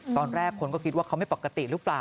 ตอนแรกคนก็คิดว่าเขาไม่ปกติหรือเปล่า